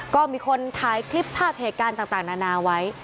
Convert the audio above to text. ก็มีคนถ่ายคลิปภาพเหตุการณ์ต่างนานาไว้